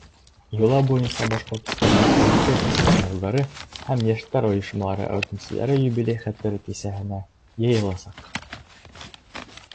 Йола буйынса Башҡортостандың элекке комсомолдары һәм йәштәр ойошмалары әүҙемселәре юбилей хәтере кисәһенә йыйыласаҡ.